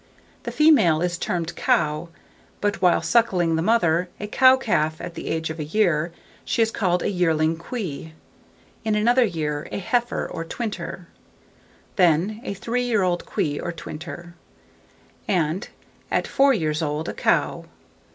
The female is termed cow, but while sucking the mother, a cow calf; at the age of a year, she is called a yearling quey; in another year, a heifer, or twinter; then, a three year old quey or twinter; and, at four years old, a cow.